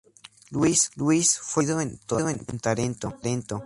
Luis fue investido con Tarento.